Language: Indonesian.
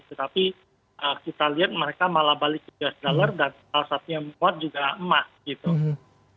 tetapi kita lihat mereka malah balik ke us dollar dan alasannya membuat juga emas gitu